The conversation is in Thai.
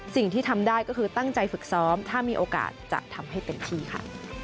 สิ่งที่ทำได้ก็คือตั้งใจฝึกซ้อมถ้ามีโอกาสจะทำให้เต็มที่ค่ะ